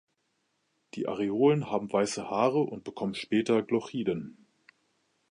Die Areolen haben weiße Haare und bekommen später Glochiden.